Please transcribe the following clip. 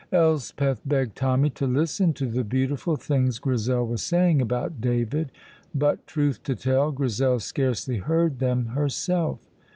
Elspeth begged Tommy to listen to the beautiful things Grizel was saying about David, but, truth to tell, Grizel scarcely heard them herself.